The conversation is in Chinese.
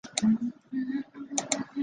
另外写入速度有微小的降低。